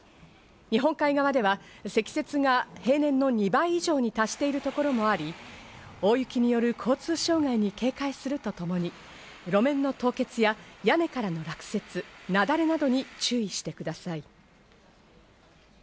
日本海側では積雪が平年の２倍以上に達しているところもあり、大雪による交通障害に警戒するとともに路面の凍結や屋根からの落雪、雪崩などに注意してください。